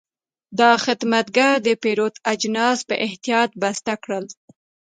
دا خدمتګر د پیرود اجناس په احتیاط بسته کړل.